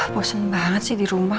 bosen banget sih di rumah